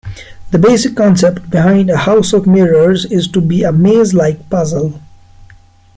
The basic concept behind a house of mirrors is to be a maze-like puzzle.